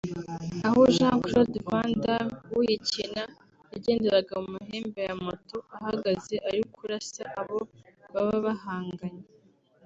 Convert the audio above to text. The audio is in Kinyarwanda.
aho Jean Claude Van Damme uyikina yagenderaga mu mahembe ya moto ahagaze ari kurasa abo baba bahanganye